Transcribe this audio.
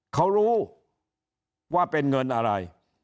เขารู้ว่าเป็นเงินอะไร